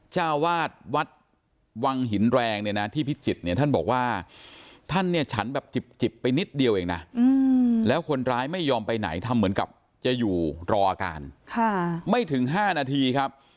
เจ้าวาดวัดวังหินแรงเนี่ยนะที่พิจิตรเนี่ยท่านบอกว่าท่านเนี่ยฉันแบบจิบไปนิดเดียวเองนะแล้วคนร้ายไม่ยอมไปไหนทำเหมือนกับจะอยู่รออาการไม่ถึง๕นาทีครับ